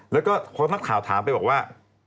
แล้วก็พอนักข่าวถามไปบอกว่า